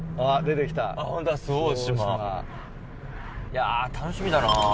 いや楽しみだな。